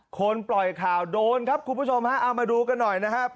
ปล่อยข่าวโดนครับคุณผู้ชมฮะเอามาดูกันหน่อยนะครับ